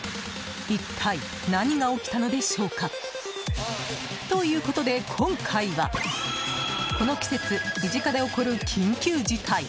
一体何が起きたのでしょうか？ということで今回はこの季節、身近で起こる緊急事態。